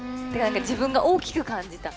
自分が大きく感じた。